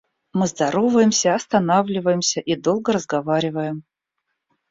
Мы здороваемся, останавливаемся и долго разговариваем.